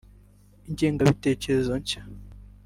Ingengabitekerezo nshya